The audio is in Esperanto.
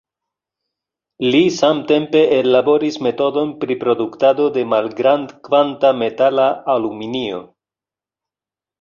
Li samtempe ellaboris metodon pri produktado de malgrand-kvanta metala aluminio.